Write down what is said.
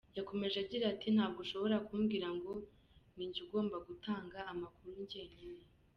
Yakomeje agira ati “Ntabwo ushobora kumbwira ngo ninjye ugomba gutanga amakuru njye nyine.